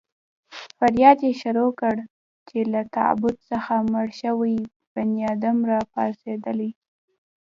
فریاد يې شروع کړ چې له تابوت څخه مړ شوی بنیادم را پاڅېدلی.